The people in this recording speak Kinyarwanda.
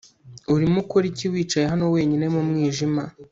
Urimo ukora iki wicaye hano wenyine mu mwijima